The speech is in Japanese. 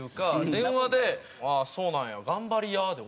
電話で「ああそうなんや」「頑張りや」で終わったんで。